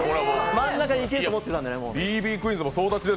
真ん中に行けると思ってたんで。